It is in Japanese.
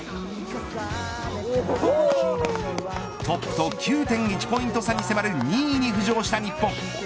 トップと９．１ポイント差に迫る２位に浮上した日本。